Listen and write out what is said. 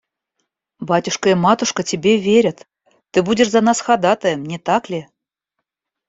Батюшка и матушка тебе верят: ты будешь за нас ходатаем, не так ли?